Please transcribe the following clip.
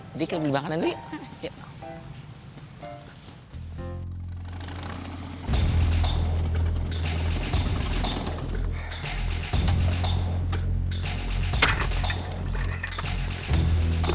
jadi kita beli makanan dulu yuk